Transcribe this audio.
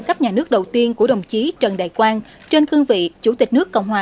cấp nhà nước đầu tiên của đồng chí trần đại quang trên cương vị chủ tịch nước cộng hòa